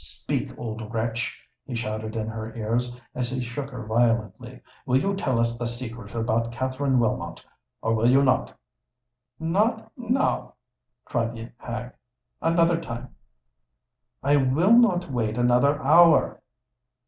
Speak, old wretch!" he shouted in her ears, as he shook her violently: "will you tell us the secret about Katherine Wilmot—or will you not?" "Not now—not now!" cried the hag: "another time!" "I will not wait another hour!"